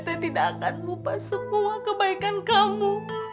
saya tidak akan lupa semua kebaikan kamu